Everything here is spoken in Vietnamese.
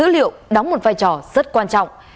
dữ liệu đóng một vai trò rất quan trọng